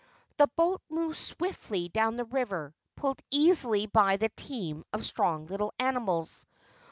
The boat moved swiftly down the river, pulled easily by the team of strong little animals.